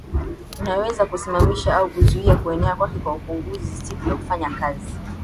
Unaweza kusimamisha au kuzuia kuenea kwake kwa kupunguza siku za kufanya kazi